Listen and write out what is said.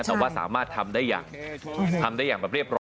แต่ว่าสามารถทำได้อย่างเรียบร้อย